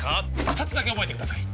二つだけ覚えてください